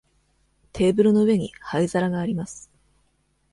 テーブルの上に灰皿があります。